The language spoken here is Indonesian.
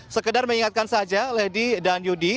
sekedar mengingatkan saja lady dan yudi